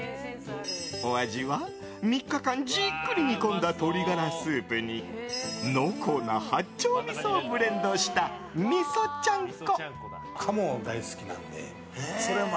お味は、３日間じっくり煮込んだ鶏ガラスープに濃厚な八丁みそをブレンドしたみそちゃんこ。